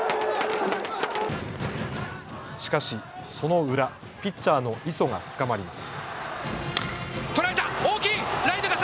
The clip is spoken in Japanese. しかしその裏、ピッチャーの磯が捕まります。